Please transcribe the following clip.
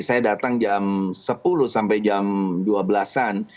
saya datang jam sepuluh sampai jam dua belas an